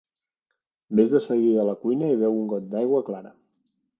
Vés de seguida a la cuina i beu un got d'aigua clara.